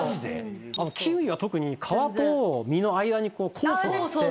キウイは特に皮と実の間に酵素があって。